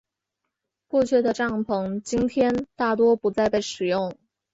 过去的帐篷今天大多不再被使用。